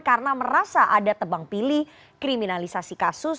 karena merasa ada tebang pilih kriminalisasi kasus